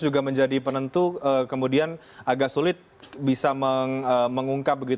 juga menjadi penentu kemudian agak sulit bisa mengungkap